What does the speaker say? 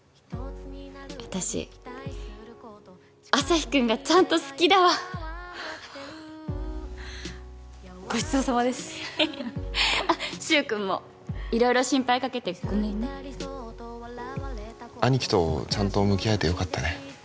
私旭君がちゃんと好きだわごちそうさまですあっ柊君も色々心配かけてごめんね兄貴とちゃんと向き合えてよかったね